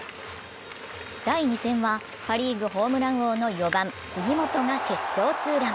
第２戦はパ・リーグホームラン王の４番・杉本が決勝ツーラン。